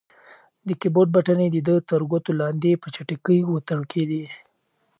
د کیبورډ بټنې د ده تر ګوتو لاندې په چټکۍ وتړکېدې.